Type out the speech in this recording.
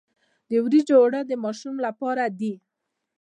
د وریجو اوړه د ماشوم لپاره دي.